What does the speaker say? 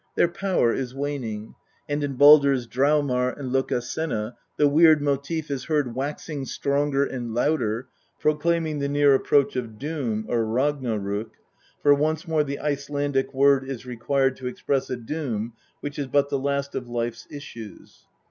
Their power is waning, and in Baldrs Draumar and Lokasenna the Weird motive is heard waxing stronger and louder, proclaiming the near approach of Doom or Ragnarok, for once more the Icelandic word is required to express a Doom which is but the last of life's issues.